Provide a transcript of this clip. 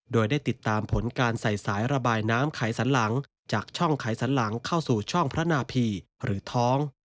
โดยได้ติดตามผลการใส่สายระบายน้ำไขสันหลังจากช่องไขสันหลังเข้าสู่ช่องพระนาพีหรือท้อง